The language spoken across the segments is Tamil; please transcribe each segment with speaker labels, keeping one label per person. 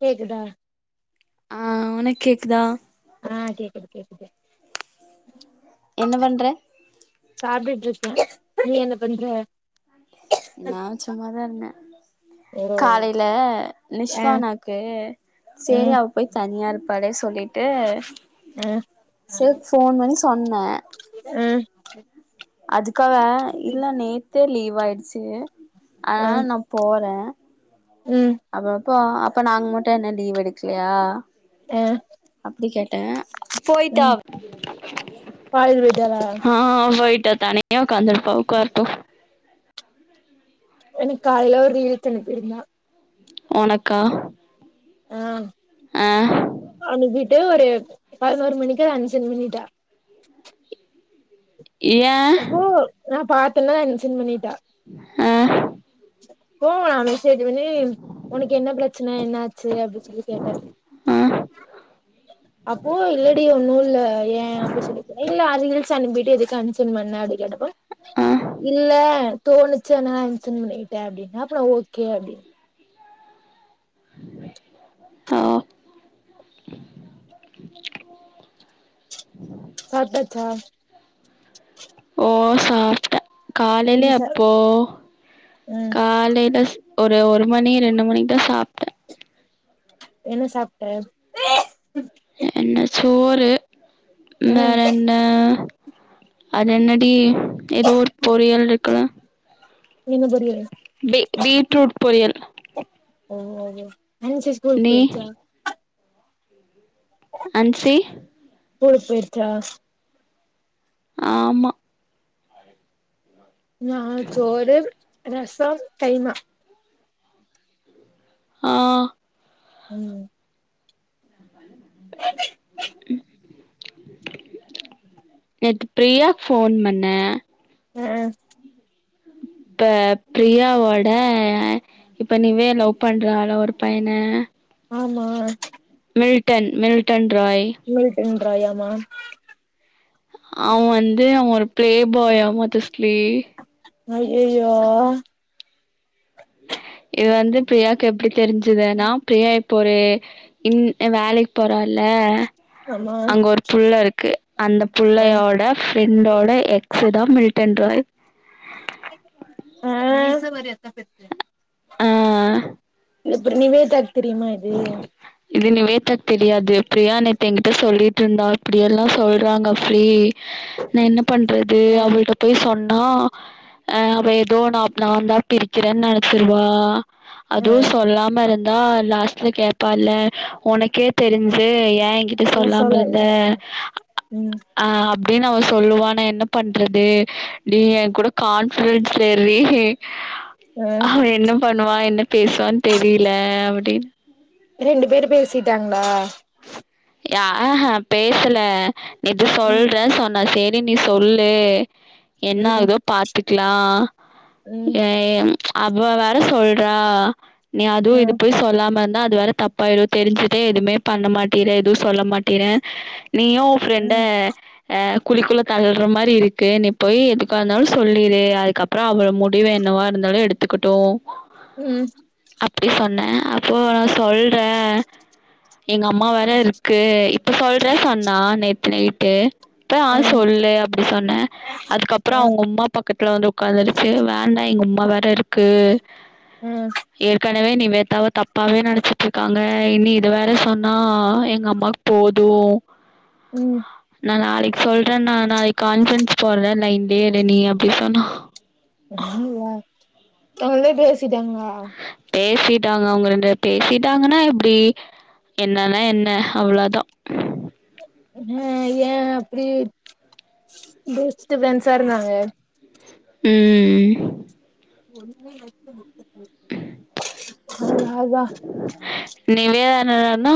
Speaker 1: கேக்குதா?
Speaker 2: ஆ உனக் கேக்குதா?
Speaker 1: ஆ கேக்குது கேக்குது.
Speaker 2: என்ன பண்ற?
Speaker 1: சாப்டுட்டு இருக்கே. நீ என்ன பண்ற?
Speaker 2: நா சும்மாதா இருந்தே.
Speaker 1: ஓ
Speaker 2: காலைல
Speaker 1: ஆ
Speaker 2: நிஷ்வானாக்கு செரி
Speaker 1: ம்
Speaker 2: அவ போய் தனியா இரு ப்பாளே சொல்லிட்டு
Speaker 1: ஆ ஆ
Speaker 2: செரி ஃபோன் பண்ணி சொன்னே.
Speaker 1: ஹெ
Speaker 2: அதுக்கு அவ இல்ல நேத்தே லீவ் ஆய் ட்டு அதனால நா போறே
Speaker 1: ம்
Speaker 2: அப்பப்பா அ ப்ப நாங்க மட்டு என்ன லீவ் எடுக்கலையா?
Speaker 1: ஆ
Speaker 2: அப்டி கேட்டே. போய்ட்டா
Speaker 1: ம்
Speaker 2: அவ
Speaker 1: காலேஜ் போயிட்டாளா
Speaker 2: ஆ போய் த தனியா உக்காந்துருப்பா உக்காரட்டு.
Speaker 1: எனக்கு காலைல ஒரு ரீல்ஸ் அனுப்பிருந்தா.
Speaker 2: ஒனக்கா?
Speaker 1: ஆ அனுப்பி ட்டு ஒரு பதினோரு மணிக்கே அன்சென்ட் பண்ணிட்டா.
Speaker 2: ஏ
Speaker 1: அப்போ நா பாத் தன்னா அன்சென்ட் பண்ணிட்டா.
Speaker 2: ஆ
Speaker 1: ப்போ நா மெசேஜ் பண்ணி உனக்கு என்ன பிரச்சன என்ன ஆச்சு அப்டி சொல்லி கேட்டே.
Speaker 2: ஆ
Speaker 1: அப்போ இல்லடி ஒன்னு இல்ல ஏ அப்டி சொல்லிட்டு இல்ல ரீல்ஸ் அனுப்பிட்டு எதுக்கு அன்சென்ட் பண்ண அப்டி கேட்டே. அ
Speaker 2: ஆ
Speaker 1: இல்ல தோணு ச்சு அதனா அன்சென்ட் பண்ணிட் டே அப்டின்னா அப்றோ ஓகே அப்டின்
Speaker 2: [inaudible] ஓ
Speaker 1: [inaudible] சாப்டாச்சா?
Speaker 2: ஓ சாப்ட்டே. காலைல
Speaker 1: என்ன சா
Speaker 2: எப்போ
Speaker 1: ம்
Speaker 2: காலைல ஒரு ஒரு மணி ரெண்டு மணிக்குதா சாப்ட்டே.
Speaker 1: என்ன சாப்ட்ட?
Speaker 2: என்ன சோறு
Speaker 1: ஆ
Speaker 2: வேற என்ன? அது என்னடி? ஏதோ ஒரு பொறியல் இருக்குல
Speaker 1: என்ன பொரியல்
Speaker 2: பீ பீட்ரூட் பொரியல்
Speaker 1: ம் ஆன்சி ஸ்கூலுக்கு
Speaker 2: நீ
Speaker 1: போயிடுச்சா?
Speaker 2: அன்சி
Speaker 1: ஸ்கூலுக்கு போயிடுச்சா?
Speaker 2: ஆமா.
Speaker 1: நா சோறு ரசோ கைமா
Speaker 2: ஆ
Speaker 1: ம்
Speaker 2: நேத்து பிரியாக்கு போன் பண்ணே.
Speaker 1: ஆ
Speaker 2: இப்ப பிரியாவோட இப்ப நீவே லவ் பண்றால்ல ஒரு பையன
Speaker 1: ஆமா
Speaker 2: மில்ட்டன் மில்ட்டன்
Speaker 1: மில்டன் ராய் ஆமா
Speaker 2: அவ வந்து அவ ஒரு பிளே பாய்யா மதஸ்லி
Speaker 1: ஐயயோ
Speaker 2: இது வந்து பிரியாக்கு எப்டி தெரிஞ்சுதுன்னா பிரியா போறு இன் அ வேலைக்கி போறால்ல
Speaker 1: ஆமா
Speaker 2: அங்க ஒரு புள்ள இருக்கு. அந்த
Speaker 1: ஆ
Speaker 2: புள்ளையோட ஃப்ரெண்டோட எக்ஸ்தா மில்டன் ராய்.
Speaker 1: ஆ [unintelligible]
Speaker 2: ஆ
Speaker 1: இப்ப நிவேதாக் தெரியுமா இது?
Speaker 2: யாது ப்ரியா நேத்து எங்கிட்ட சொல்லிட்ருந்தா இப்டியெல்லா சொல்றாங்க அஃபி நா என்ன பண்றது
Speaker 1: ஆ
Speaker 2: அவள்ட்ட போய் சொன் னா ஆ அவ எப் [unintelligible] பிரிக்கிறேன்னு நெனைச்சிருவா.
Speaker 1: ஆ
Speaker 2: அதுவு சொல்லாம இருந் ஆ லா ஸ்ல கேப்பால்ல ஒனக்கே தெருஞ்சு ஏ எங்கிட்ட
Speaker 1: ஏ
Speaker 2: சொல்லாம
Speaker 1: சொல்லல
Speaker 2: இருந்த
Speaker 1: ம்
Speaker 2: ஆ அப் டின்னு அவ சொல்லுவா நா என்ன பண்றது டீ ஏங்கூட கான்ஃபிரன்ஸ்ல இர்ரி
Speaker 1: ஆ
Speaker 2: அவ என்ன பண்ணுவா என்ன பேசுவான் தெரீல அப்புடின்
Speaker 1: ரெண்டு பேர் பேசிட்டாங்ளா?
Speaker 2: ய ஆஹா பேசல நேத்து
Speaker 1: ம்
Speaker 2: சொல்றே சொன்னா சே ரி நீ சொல்லு
Speaker 1: ம்
Speaker 2: என்னாகுதோ பாத்துக்லா
Speaker 1: ம்
Speaker 2: ஏ எம் அவ்வ வேற சொல்றா நீ அதுவு
Speaker 1: அ
Speaker 2: இது போய் சொல்லாமந் தா அது வேற தப்பாயிடு தெரிஞ்சுட்டே எதுமே பண்ண மாட் டிற எதுவு சொல்ல மாட்டிற நீயு உ ஃப்ரெண்ட
Speaker 1: ம்
Speaker 2: அ குழிக்குள்ள தள்ற மாரி இருக்கு நீ போய் எதுக்கா இர்ந்தாலு சொல்லிரு அதுக்கப்றொ அவ முடிவு என்னவா இருந்தாலு எடுத்துக்கட்டூ
Speaker 1: ம்
Speaker 2: அப்டி சொன்னே அப்போ நா சொல்றே எங்கம்மாவ தாருக்கு இப்ப சொல்ற சொன்னா நே த்து நைட்டு இப்ப ஆ
Speaker 1: அ
Speaker 2: சொல்லு அப்டி சொன்னே அதுக்கப்றொ
Speaker 1: அ
Speaker 2: அவுங்கொம்மா பக்கத்துல வந்து ஒக்காந்துருச்சு வேண்டா எங்கொம்மா வே றருக்கு
Speaker 1: அ
Speaker 2: ஏற்க னவே நிவேத்தாவ தப்பாவே நெனச்சுட்ருக்காங்க இன்னி இது வேற சொன்னா எங்கம்மாக்கு போதூ
Speaker 1: ம்
Speaker 2: நா நாளைக்கு சொல் றன் நா நாளைக் கான்ஃப்ரன்ஸ் போட்ற லைன் லெயே இரு நீ அப்டி சொன்னா
Speaker 1: ஏங்க [unintelligible] பேசிட்டாங்ளா
Speaker 2: பேசிட்டாங்க அவுங்க ரெண்டு பே பேசிட்டாங்கன்னா எப்டி என்னானா என்ன அவ்ளொதா
Speaker 1: ஹா ஏ அப்புடி பெஸ்ட்டு ஃப்ரென்ட்ஸா இருந்தாங்க
Speaker 2: ம்
Speaker 1: [unintelligible]
Speaker 2: நிவே அ னா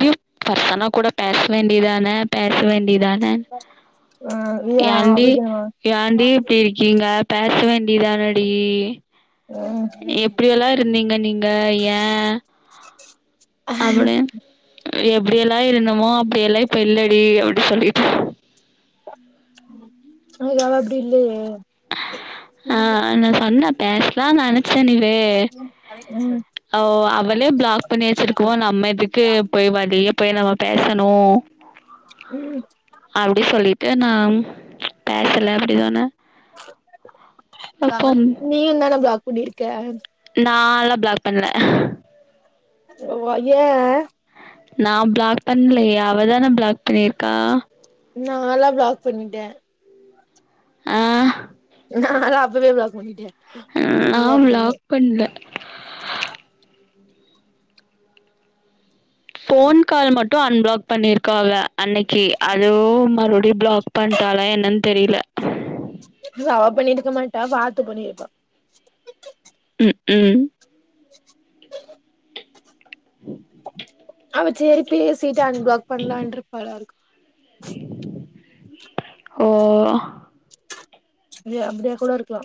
Speaker 2: [unintelligible] பர்சனா கூட பேச வேண்டியதானே பேச வேண்டியதான் அ
Speaker 1: ஆ ஏ
Speaker 2: யான்டி
Speaker 1: அவளுக்கு என்னவா
Speaker 2: யான்டி இப்டி இருக்கீங்க பேச வேண்டியதானடி
Speaker 1: ம்
Speaker 2: எப்டியொல்லா இருந்தீங்க நீங்க ஏ
Speaker 1: அஹ்
Speaker 2: அப்டின் எப்டியெல்லா இருந்தமோ அப்டியெல்லா இப்ப இல்லடி அப்டி சொல்லிட்டு
Speaker 1: அன்னக்கி அவ அப்டி இல்லையே
Speaker 2: ஆ
Speaker 1: ம்
Speaker 2: நா சொன்ன பேசலா நானு [unintelligible] ஓ அவளே ப்ளாக் பண்ணி வச்சுருக்கும்மோ நம்ம எதுக்கு போய் வழிய போய் நம்ம பேசணு
Speaker 1: ம்
Speaker 2: அப்டி சொல்லி ட்டு நாம் பேசல அப்டி சொன்ன அப்போ
Speaker 1: [inaudible] நீயுந்தான ப்ளாக் பண்ணிருக்க
Speaker 2: நால்லா ப்ளாக் பண்ல
Speaker 1: ஓ அ ஏ
Speaker 2: நா ப்ளாக் பண்லயே அவதான ப்ளாக் பண்ணிருக்கா
Speaker 1: நாலா ப்ளாக் பண்ணிட்டே
Speaker 2: ஆ
Speaker 1: நாலா அப்பவே ப்ளாக் பண்ணிட்டே
Speaker 2: நா
Speaker 1: எல்லாத்துலயுமே
Speaker 2: ப்ளாக் பண்ல ஃபோன் கால் மட்டு அன்ப்ளாக் பண்ணிருக்காவ அன்னக்கி ‌அதோ மறுப டி ப்ளாக் பண்ட்டாளா என்னன் தெரில
Speaker 1: அவ பண்ணிருக்க மாட்டா வாத்து பண்ணிருப்பா
Speaker 2: ம் ம்
Speaker 1: [inaudible]
Speaker 2: [inaudible]
Speaker 1: அவச்சரி பேசிட்டு அன்ப்ளாக் பண்லான்ட்ருப்பாளா இருக்கு
Speaker 2: ஹோ
Speaker 1: [unintelligible] அப்டியா கூட இருக்லா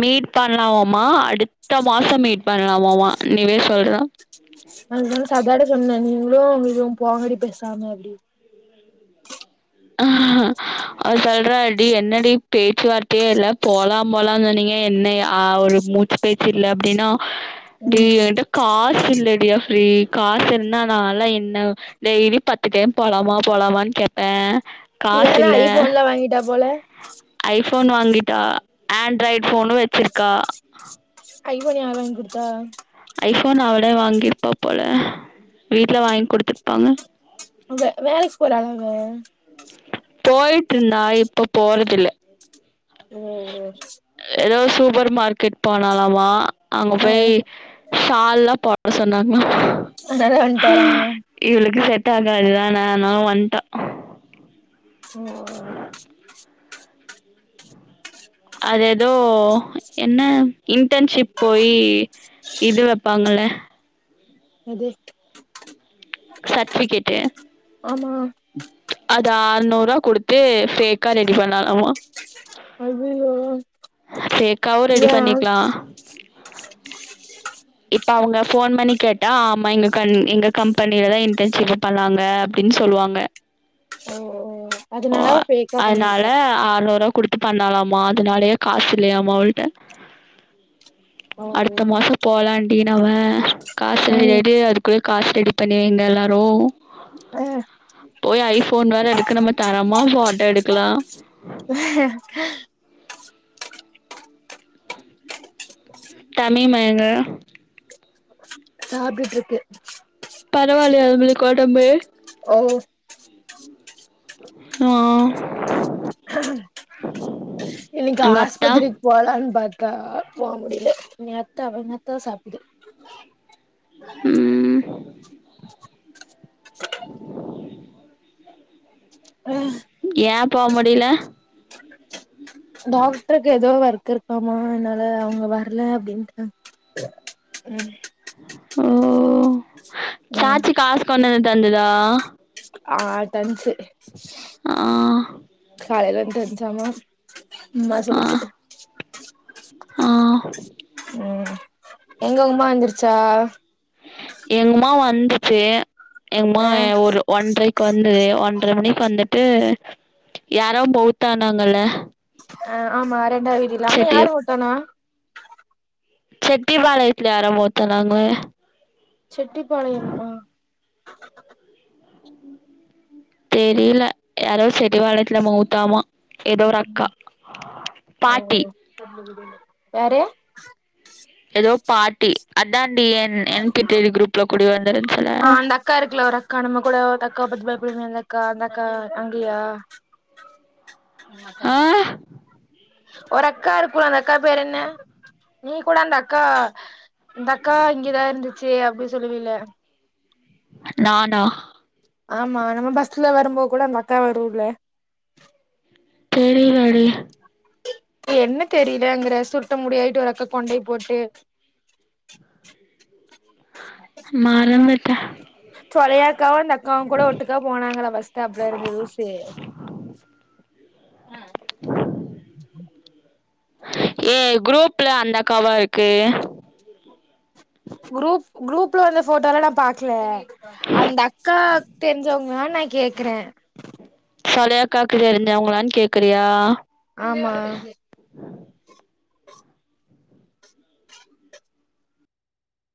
Speaker 2: மீட் பண்லாவம்மா அடுத்த மாச மீட் பண்லாவமா நிவே சொல்றா
Speaker 1: [unintelligible] சொன்னே நீங்ளு [unintelligible] போங்கடி பேசாம அப்டி
Speaker 2: அஹ்ஹ அ சொல்றா டி என்னடி பேச்சுவார்த்தையே இல்ல போலாம்போலா சொன்னீங்க என்னை அ ஒரு மூச்சு பேச்சுல்ல அப்டின்னா டி
Speaker 1: ம்
Speaker 2: எகிட்ட காசு இல்லடி ரி காசு இருந்தா நாலா என்ன டெய்லி பத்து டைம் போலாமா போலாமான் கேப்பே
Speaker 1: இவ
Speaker 2: காசு
Speaker 1: என்ன
Speaker 2: இல்ல
Speaker 1: ஐஃபோன்லா வாங்கிட்டா போல
Speaker 2: ஐஃபோன் வாங்கிட்டா ஆண்ட்ராய்ட் ஃபோனு வச்சிரு க்கா
Speaker 1: ஐஃபோன் யார் வாங்கி குடுத்தா
Speaker 2: ஐஃபோன் அவளே வாங்கிருப்பா போல வீட்ல வாயிங் குடுத்துருப்பாங்க
Speaker 1: வெ வேலக்கி போறலா அவ
Speaker 2: போயிட்ருந்தா இப்ப போறதில்ல
Speaker 1: ஓ ஓ
Speaker 2: ஏதோ சூப்பர் மார்க்கெட் போனாலாமா அங்க
Speaker 1: ஆ
Speaker 2: போய் ஷால்லாம் போட சொன்னாங்களா
Speaker 1: அனால வன்ட்டாளாமா
Speaker 2: டாகாது தான, அனால வன்ட்டா
Speaker 1: ஓ
Speaker 2: [inaudible] அது எதோ என்ன இன்டர்ன்ஷிப் போயி இது வப்பாங்கல்ல
Speaker 1: எது
Speaker 2: சட்விகேட்டு அ து ஆற்நூறுவா குடுத்து ஃபேக்கா ரெடி பண்ணாலாவா
Speaker 1: அய்யய்யோ
Speaker 2: ஃபேக்காவு ரெடி
Speaker 1: ஏ
Speaker 2: பண்ணிக்லா இப்ப அவுங்க ஃபோன் பண்ணி கேட்டா ஆமா எங்க கன் எங்க கம்பெனிலதா இன்டர்ன்ஷிப்பு பண்ணாங்க அப்டின் சொல்லுவாங்க
Speaker 1: ஓ ஓ
Speaker 2: ஓ அன்னால ஆற்நூறுவா குடுத்து பண்ணாலாம் மா அதுனாலயெ காசு இல்லையாமா அவள்ட்ட
Speaker 1: ஓ
Speaker 2: அடுத்த மாச போலான் டீனாவ காசு
Speaker 1: ம்
Speaker 2: எடு அதுக்குள்ள காசு ரெடி பண்ணி வைங்க எல்லாரூ
Speaker 1: ஆ
Speaker 2: போய் ஐஃபோன் வேற எடுக்கனுமே தா மா ஃபோட்ட எடுக்கலா
Speaker 1: உ ஹ... இச்
Speaker 2: தமீமா எங்க
Speaker 1: சாப்டுட்ருக்கு
Speaker 2: பரவாலையா உங்களுக்கு ஒடம்பு
Speaker 1: ஓ......
Speaker 2: ஆ
Speaker 1: இன்னைக்கு
Speaker 2: உங்கள் அத்தா
Speaker 1: ஆஸ்பத்திரிக்கு போலான்னு பாத் கா போ முடில என் அத்த என்னத்த சாப்புது
Speaker 2: ம் இம்.....
Speaker 1: ஆ
Speaker 2: போ முடில
Speaker 1: இச் டாக்டர்க்கு ஏதோ வொர் திருப்பாமா அதுனால அவங்க வரல அப்டின்டு ம்
Speaker 2: ம்
Speaker 1: ம்
Speaker 2: சாச்சி காஸ் கொண்டுவந் தந்து தா
Speaker 1: ஆ டன்சு
Speaker 2: ஆ
Speaker 1: காலைல டன்ஞ்சா மா ம
Speaker 2: ஆ
Speaker 1: சொல்லுச்சு இச்
Speaker 2: ஆ
Speaker 1: ம் எங்க உமா வந்துருச்சா
Speaker 2: எங்மா வந் துச்சி எங்மா
Speaker 1: ஆ
Speaker 2: ஒரு ஒன்றைக்கு வந்துது ஒன்ற மணிக்கு வந்து து யாரோ பௌத்தானாங்கல்ல
Speaker 1: ஆ ஆமா ரெண்டாது இதில்லாம யாரு ஒட்டனா
Speaker 2: செட்டிபாளையத்துல யாரோ மூத்தனாங்க
Speaker 1: செட்டிப்பாளையம்மா
Speaker 2: தெரில யாரோ செட்டிபாளயத்துல மௌத்தாமா எதோ ஒரு அக்கா பாட்டி
Speaker 1: வேற
Speaker 2: எதோ பாட்டி அந் வந்துருந்துச்சுல
Speaker 1: ஆ அந்த அக்கா இருக்குல ஒரு அக்கா நம்ம கூட ஒரு தக்காவ பாத்து பயப்புடுவோமே அந்த அக்கா அந்த அக் க்கா அங்கயா
Speaker 2: ஆ
Speaker 1: ஒரு அக்கா இருக்குல அந்த அக்கா பேரென்ன நீ கூட அந்த அக்கா இந்த அக்கா இங்கேதா இருந்துச் சே அப்டி சொல்லுவில
Speaker 2: நானா
Speaker 1: ஆமா நம்ம பஸ்ல வரும்போ கூட அந்த அக்கா வரூம்ப்ல
Speaker 2: தெரிலடி
Speaker 1: என்ன தெரியலங்கற சுருட்ட முடியாயிட்டு ஒரு அக்கா கொண்டய போட்டு
Speaker 2: மறந்துட்ட
Speaker 1: சொலையாக்காவும அந்த அக்காவு கூட ஒட்டுக்கா போனாங்கள பஸ்ட்டாப்லருந்து லூசு அ
Speaker 2: ஏ குரூப்ல அந்தக்காவா இருக்கு
Speaker 1: குரூப் குரூப்ல வந்த ஃபோட்டோலா நா பாக்ல அந்த அக்கா தெரிஞ்சவங் நா ந கேக்குறே
Speaker 2: சாலையா காக்கிட்டா இருஞ்அவங்களானு கேக்குறியா
Speaker 1: ஆமா